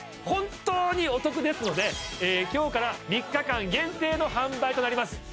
本当にお得ですので今日から３日間限定の販売となります